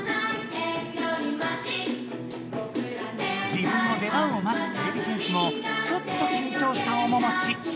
自分の出番をまつてれび戦士もちょっときんちょうしたおももち。